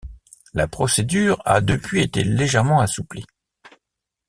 La procédure a depuis été légèrement assouplie.